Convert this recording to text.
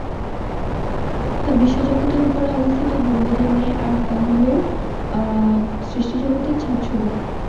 তা বিশ্বজগতের উপরে অবস্থিত গুম্বজের ন্যায় আর তাহলো সৃষ্টি জগতের ছাদস্বরূপ।